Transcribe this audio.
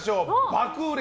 爆売れ！